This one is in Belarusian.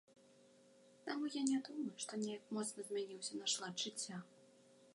Таму я не думаю, што неяк моцна змяніўся наш лад жыцця.